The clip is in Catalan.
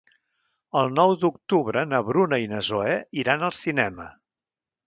El nou d'octubre na Bruna i na Zoè iran al cinema.